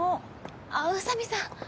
あっ宇佐美さん。